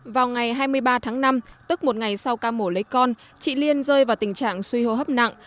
vào ngày hai mươi ba tháng năm tức một ngày sau ca mổ lấy con chị liên rơi vào tình trạng suy hô hấp nặng